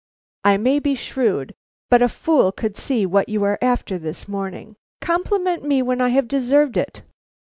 I may be shrewd, but a fool could see what you are after this morning. Compliment me when I have deserved it.